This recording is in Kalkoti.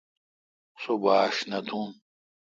سو باݭ نہ تھوں۔